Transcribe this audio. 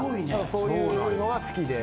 そういうのが好きで。